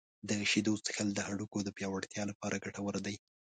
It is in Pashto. • د شیدو څښل د هډوکو د پیاوړتیا لپاره ګټور دي.